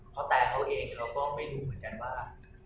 เขาแตรเขาเองก็ไม่รู้เหมือนกันว่า